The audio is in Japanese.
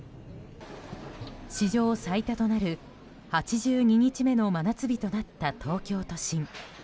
史上最多となる８２日目の真夏日となった東京都心。